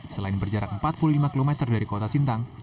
selain berjarak empat puluh lima km dari kota sintang